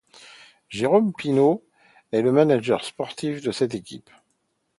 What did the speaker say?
Jérôme Pineau est le manager sportif de cette équipe.